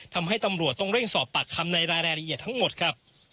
ทำให้ตำรวจต้องเร่งสอบปากคำในรายละเอียดทั้งหมดครับ